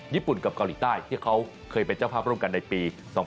ญี่ปุ่นกับเกาหลีใต้ที่เขาเคยเป็นเจ้าภาพร่วมกันในปี๒๐